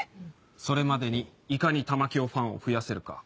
それまでにいかに玉響ファンを増やせるか。